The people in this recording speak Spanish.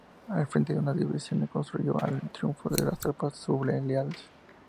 Al frente de una división contribuyó al triunfo de las tropas sublevadas.